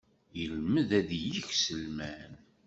Yelmed ad yeks lmal.